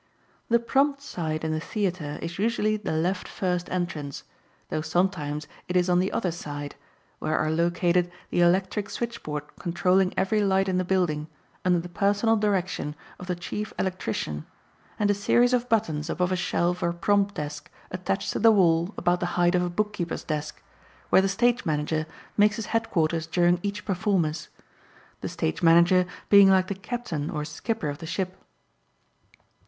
The prompt side in a theatre is usually the left first entrance, though sometimes it is on the other side, where are located the electric switchboard controlling every light in the building, under the personal direction of the chief electrician, and a series of buttons above a shelf or prompt desk attached to the wall about the height of a bookkeeper's desk, where the stage manager makes his headquarters during each performance, the stage manager being like the captain or skipper of the ship.